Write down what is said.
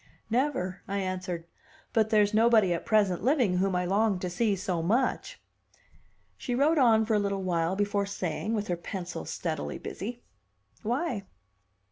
"Never," I answered, "but there's nobody at present living whom I long to see so much." She wrote on for a little while before saying, with her pencil steadily busy, "Why?"